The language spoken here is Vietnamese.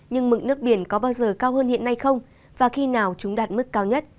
nhưng mực nước biển có bao giờ cao hơn hiện nay không và khi nào chúng đạt mức cao nhất